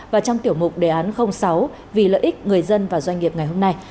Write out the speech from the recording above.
và trong tiểu mục đề án sáu vì lợi ích người dân và doanh nghiệp ngày hôm nay